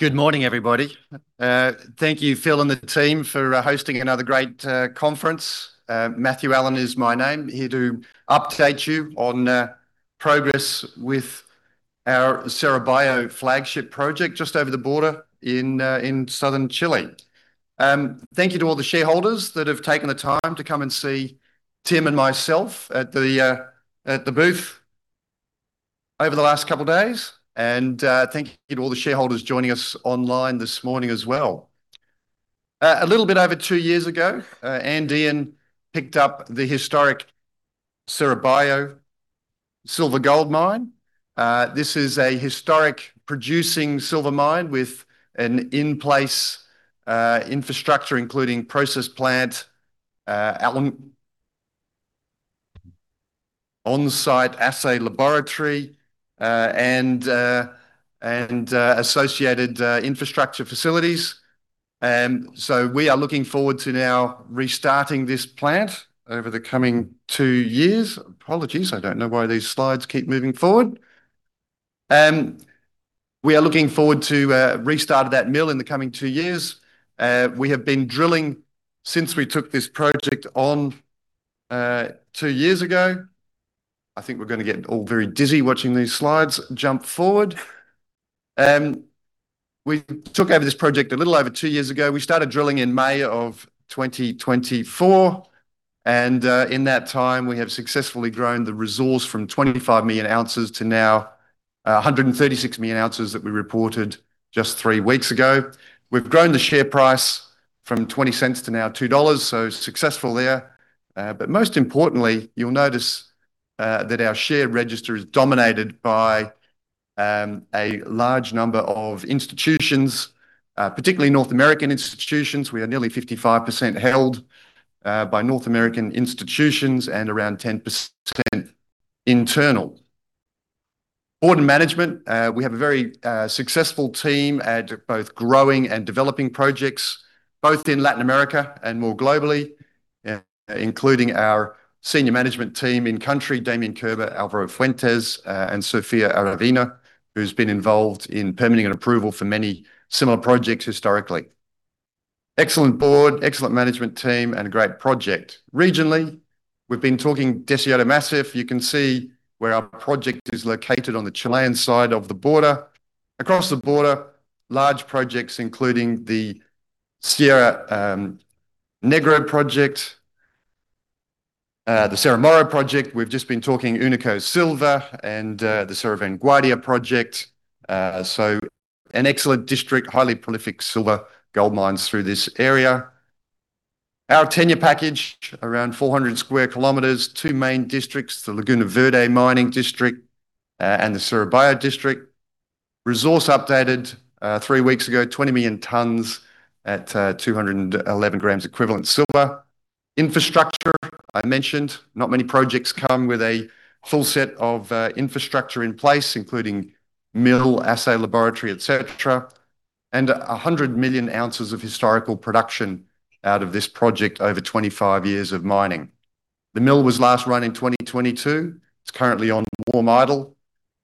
Good morning, everybody. Thank you, Phil and the team, for hosting another great conference. Matthew Allen is my name, here to update you on progress with our Cerro Bayo flagship project just over the border in Southern Chile. Thank you to all the shareholders that have taken the time to come and see Tim and myself at the booth over the last couple of days. Thank you to all the shareholders joining us online this morning as well. A little bit over two years ago, Andean picked up the historic Cerro Bayo silver gold mine. This is a historic producing silver mine with an in-place infrastructure, including process plant, on-site assay laboratory, and associated infrastructure facilities. We are looking forward to now restarting this plant over the coming two years. Apologies, I don't know why these slides keep moving forward. We are looking forward to restarting that mill in the coming two years. We have been drilling since we took this project on two years ago. I think we're going to get all very dizzy watching these slides jump forward. We took over this project a little over two years ago. We started drilling in May of 2024, and in that time, we have successfully grown the resource from 25 million ounces to now 136 million ounces that we reported just three weeks ago. We've grown the share price from 0.20 to now 2.0 dollars, successful there. Most importantly, you'll notice that our share register is dominated by a large number of institutions, particularly North American institutions. We are nearly 55% held by North American institutions and around 10% internal. Board and management. We have a very successful team at both growing and developing projects, both in Latin America and more globally, including our senior management team in country, Damien Koerber, Alvaro Fuentes, and Sofía Aravena, who's been involved in permitting and approval for many similar projects historically. Excellent Board, excellent management team, and a great project. Regionally, we've been talking Deseado Massif. You can see where our project is located on the Chilean side of the border. Across the border, large projects, including the La Negra project, the Cerro Moro project. We've just been talking Unico Silver and the Cerro Vanguardia project. An excellent district, highly prolific silver gold mines through this area. Our tenure package, around 400 sq km, two main districts, the Laguna Verde mining district and the Cerro Bayo district. Resource updated three weeks ago, 20 million tons at 211 g equivalent silver. Infrastructure, I mentioned, not many projects come with a full set of infrastructure in place, including mill, assay laboratory, et cetera. 100 million ounces of historical production out of this project over 25 years of mining. The mill was last run in 2022. It's currently on warm idle.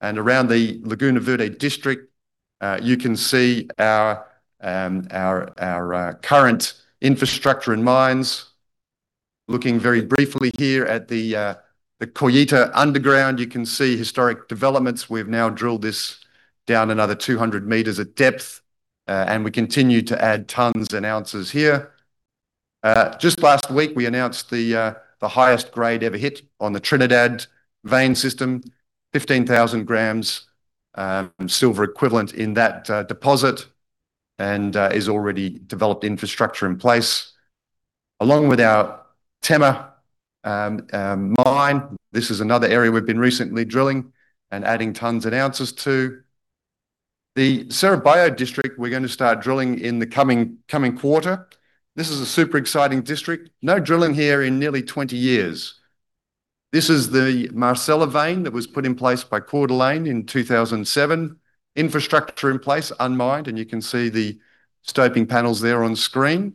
Around the Laguna Verde district, you can see our current infrastructure and mines. Looking very briefly here at the Coyita underground, you can see historic developments. We've now drilled this down another 200 m of depth, and we continue to add tons and ounces here. Just last week, we announced the highest grade ever hit on the Trinidad vein system, 15,000 g silver equivalent in that deposit and is already developed infrastructure in place. Along with our Tema mine. This is another area we've been recently drilling and adding tons and ounces to. The Cerro Bayo district, we're going to start drilling in the coming quarter. This is a super exciting district. No drilling here in nearly 20 years. This is the Marcela vein that was put in place by Coeur d'Alene in 2007. Infrastructure in place, unmined, and you can see the stoping panels there on screen.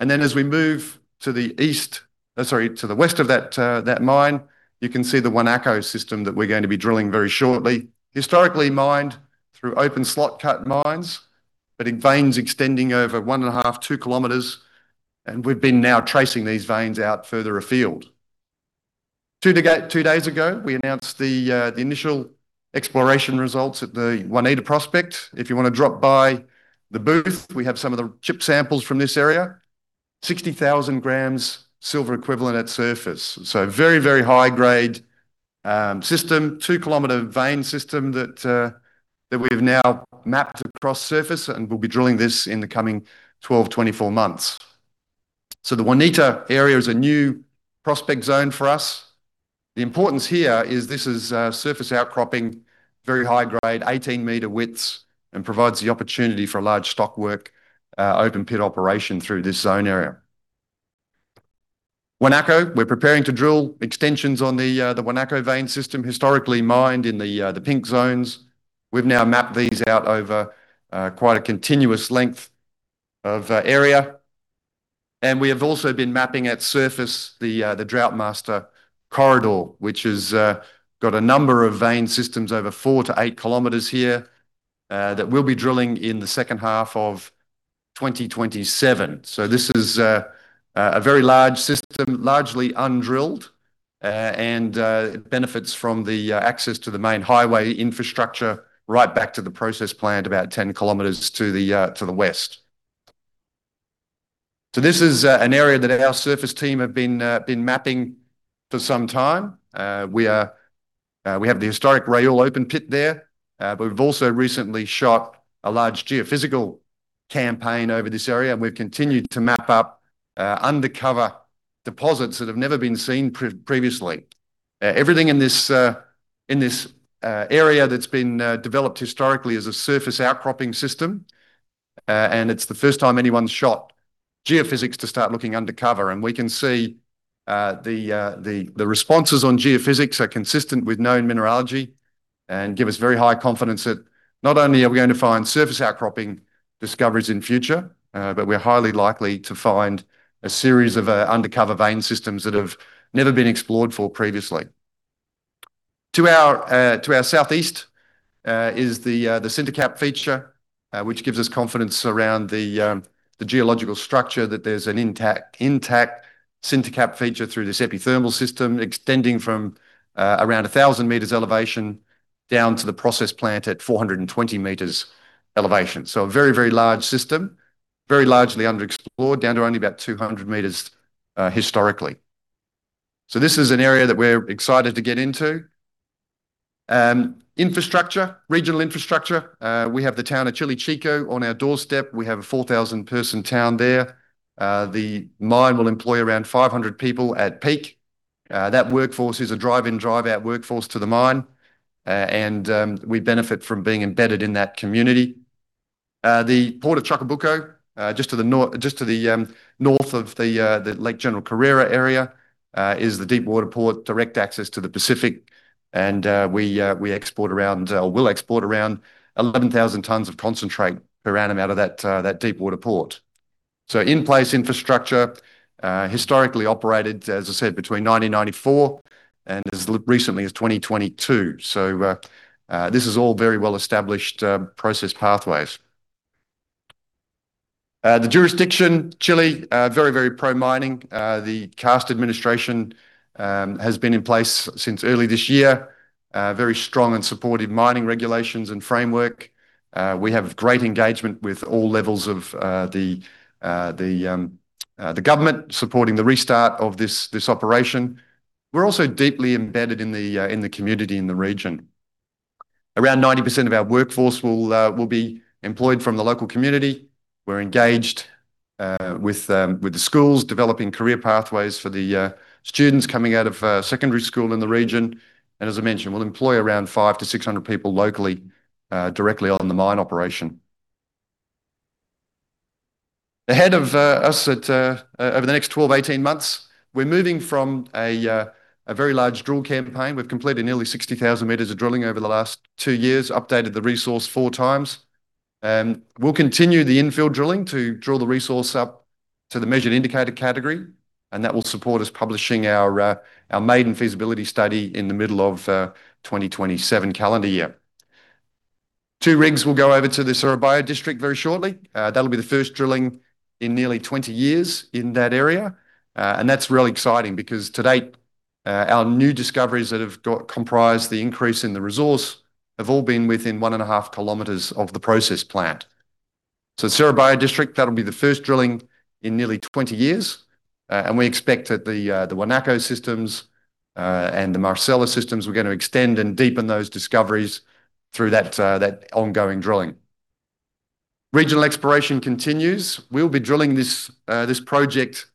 Then as we move to the west of that mine, you can see the Guanaco system that we're going to be drilling very shortly. Historically mined through open slot cut mines, but in veins extending over 1.5 km-2 km, and we've been now tracing these veins out further afield. Two days ago, we announced the initial exploration results at the Juanita Prospect. If you want to drop by the booth, we have some of the chip samples from this area. 60,000 g silver equivalent at surface. Very high grade system. 2 km vein system that we've now mapped across surface, and we'll be drilling this in the coming 12 months-24 months. The Juanita area is a new prospect zone for us. The importance here is this is surface outcropping, very high grade, 18 m widths, and provides the opportunity for a large stock work, open pit operation through this zone area. Guanaco, we're preparing to drill extensions on the Guanaco vein system, historically mined in the pink zones. We've now mapped these out over quite a continuous length of area. We have also been mapping at surface the Droughtmaster corridor, which has got a number of vein systems over 4 km-8 km here that we'll be drilling in the second half of 2027. This is a very large system, largely undrilled, and it benefits from the access to the main highway infrastructure right back to the process plant about 10 km to the west. This is an area that our surface team have been mapping for some time. We have the historic Rayol open pit there. We've also recently shot a large geophysical campaign over this area, and we've continued to map up undercover deposits that have never been seen previously. Everything in this area that's been developed historically is a surface outcropping system. It's the first time anyone's shot geophysics to start looking undercover. We can see the responses on geophysics are consistent with known mineralogy and give us very high confidence that not only are we going to find surface outcropping discoveries in future, but we're highly likely to find a series of undercover vein systems that have never been explored for previously. To our Southeast is the sinter cap feature, which gives us confidence around the geological structure that there's an intact sinter cap feature through this epithermal system, extending from around 1,000 m elevation down to the process plant at 420 m elevation. A very, very large system, very largely underexplored, down to only about 200 m historically. This is an area that we're excited to get into. Infrastructure, regional infrastructure. We have the town of Chile Chico on our doorstep. We have a 4,000-person town there. The mine will employ around 500 people at peak. That workforce is a drive-in/drive-out workforce to the mine, and we benefit from being embedded in that community. The Port of Chacabuco, just to the North of the Lake General Carrera area, is the deep-water port, direct access to the Pacific. We'll export around 11,000 tons of concentrate per annum out of that deep-water port. In-place infrastructure, historically operated, as I said, between 1994 and as recently as 2022. This is all very well-established process pathways. The jurisdiction, Chile, very pro-mining. The Kast administration has been in place since early this year. Very strong and supportive mining regulations and framework. We have great engagement with all levels of the government supporting the restart of this operation. We're also deeply embedded in the community in the region. Around 90% of our workforce will be employed from the local community. We're engaged with the schools, developing career pathways for the students coming out of secondary school in the region. As I mentioned, we'll employ around 500-600 people locally, directly on the mine operation. Ahead of us over the next 12 months-18 months, we're moving from a very large drill campaign. We've completed nearly 60,000 m of drilling over the last two years, updated the resource four times. We'll continue the infill drilling to drill the resource up to the measured indicator category, and that will support us publishing our maiden feasibility study in the middle of 2027 calendar year. Two rigs will go over to the Cerro Bayo District very shortly. That'll be the first drilling in nearly 20 years in that area. That's really exciting because to date, our new discoveries that have comprised the increase in the resource have all been within 1.5 km of the process plant. Cerro Bayo District, that'll be the first drilling in nearly 20 years. We expect that the Guanaco systems and the Marcela systems, we're going to extend and deepen those discoveries through that ongoing drilling. Regional exploration continues. We'll be drilling this project,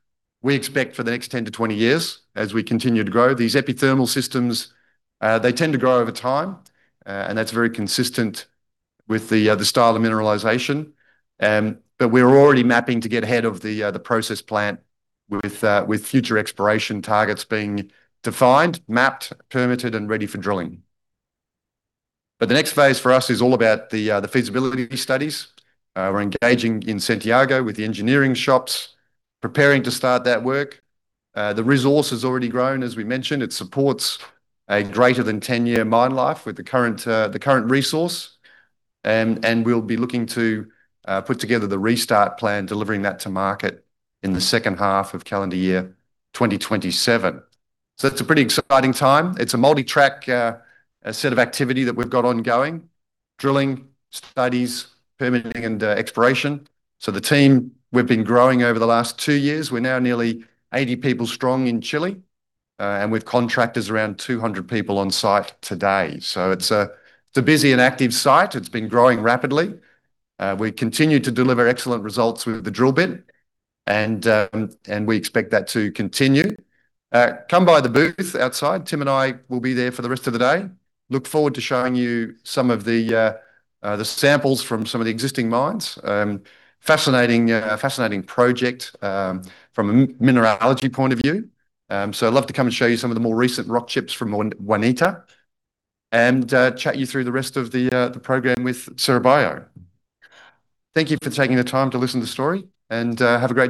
we expect, for the next 10 years-20 years as we continue to grow. These epithermal systems, they tend to grow over time, and that's very consistent with the style of mineralization. But we're already mapping to get ahead of the process plant with future exploration targets being defined, mapped, permitted, and ready for drilling. But the next phase for us is all about the feasibility studies. We're engaging in Santiago with the engineering shops, preparing to start that work. The resource has already grown, as we mentioned. It supports a greater than 10-year mine life with the current resource. We'll be looking to put together the restart plan, delivering that to market in the second half of calendar year 2027. It's a pretty exciting time. It's a multi-track set of activity that we've got ongoing. Drilling, studies, permitting, and exploration. The team, we've been growing over the last two years. We're now nearly 80 people strong in Chile. And with contractors, around 200 people on site today. It's a busy and active site. It's been growing rapidly. We continue to deliver excellent results with the drill bit, and we expect that to continue. Come by the booth outside. Tim and I will be there for the rest of the day. Look forward to showing you some of the samples from some of the existing mines. Fascinating project from a mineralogy point of view. I'd love to come and show you some of the more recent rock chips from Juanita and chat you through the rest of the program with Cerro Bayo. Thank you for taking the time to listen to the story, and have a great-